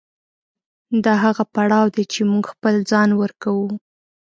دا هغه پړاو دی چې موږ خپل ځان ورکوو.